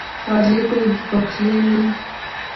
پارلے کوئی بکھلے نئیں